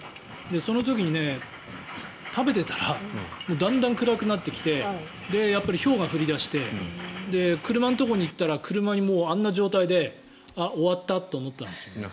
その時に食べてたらだんだん暗くなってきてやっぱり、ひょうが降り出して車のところに行ったら車にあんな状態であ、終わったと思ったんですよ。